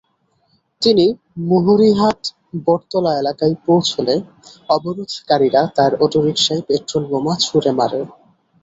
তিনি মহুরিহাট বটতল এলাকায় পৌঁছলে অবরোধকারীরা তাঁর অটোরিকশায় পেট্রলবোমা ছুড়ে মারে।